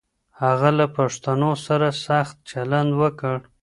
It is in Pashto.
هغه له پښتنو سره سخت چلند وکړ